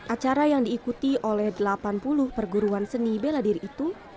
acara yang diikuti oleh delapan puluh perguruan seni bela diri itu